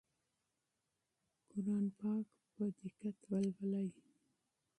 قرآن په دقت ولولئ.